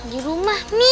di rumah mi